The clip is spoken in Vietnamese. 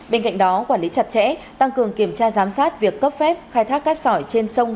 bên cạnh đó quản lý chặt chẽ tăng cường kiểm tra giám sát việc cấp phép khai thác cát sỏi trên sông